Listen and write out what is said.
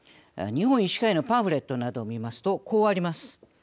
日本医師会のパンフレットなどを見ますとこうあります。